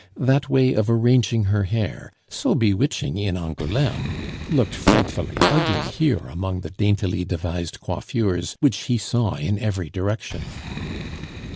That way of arranging her hair, so bewitching in Angouleme, looked frightfully ugly here among the daintily devised coiffures which he saw in every direction.